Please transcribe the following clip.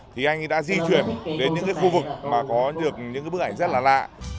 thì anh ấy đã di chuyển đến những khu vực mà có được những bức ảnh rất là lạ